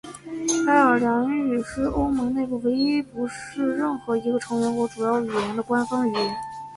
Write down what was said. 爱尔兰语是欧盟内部唯一不是任何一个成员国主要语言的官方语言。